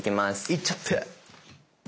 いっちゃって！